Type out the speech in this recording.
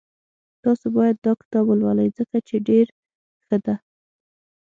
تاسو باید داکتاب ولولئ ځکه چی ډېر ښه ده